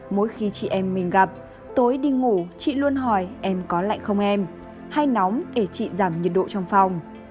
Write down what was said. mỗi khi chị em mình gặp tối đi ngủ chị luôn hỏi em có lạnh không em hay nóng để chị giảm nhiệt độ trong phòng